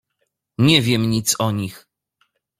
"Nie wiem nic o nich."